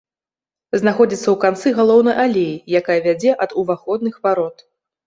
Знаходзіцца ў канцы галоўнай алеі, якая вядзе ад уваходных варот.